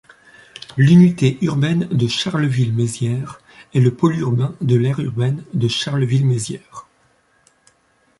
L'unité urbaine de Charleville-Mézières est le pôle urbain de l'aire urbaine de Charleville-Mézières.